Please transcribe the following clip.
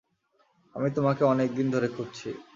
আমি তোমাকে অনেক দিন ধরে খুঁজছি।